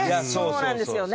そうなんですよね。